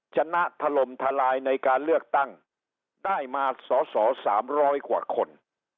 ชนะถล่มทลายในการเลือกตั้งได้มาสอสอสามร้อยกว่าคน